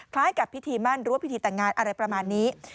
คล้ายกับพิถีมั่นด้วยพิถีต่างการอะไรประมาณนี้